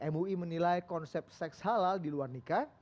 mui menilai konsep seks halal di luar nikah